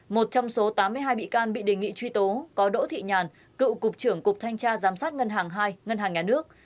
một trong số tám mươi hai bị can bị đề nghị truy tố có đỗ thị nhàn cựu cục trưởng cục thanh tra giám sát ngân hàng hai ngân hàng nhà nước